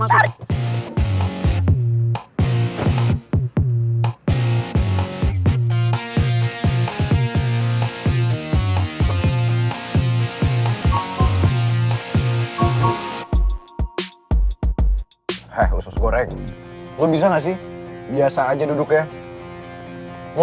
itu barusan senyum